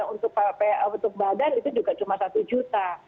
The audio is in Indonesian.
untuk badan itu juga cuma satu juta